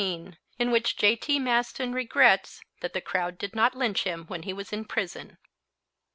IN WHICH J.T. MASTON REGRETS THAT THE CROWD DID NOT LYNCH HIM WHEN HE WAS IN PRISON.